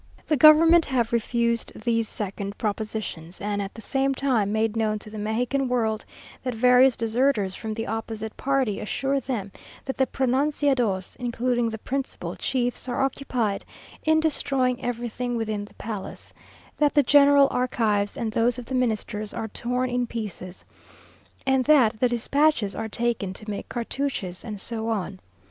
The government have refused these second propositions; and at the same time made known to the Mexican world that various deserters from the opposite party assure them, that the pronunciados, including the principal chiefs, are occupied in destroying everything within the palace that the general archives and those of the Ministers are torn in pieces, and that the despatches are taken to make cartouches, and so on.